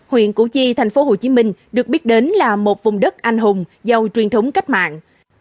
huyện củ chi thành phố hồ chí minh được biết đến là một vùng đất anh hùng giàu truyền thống cách mạng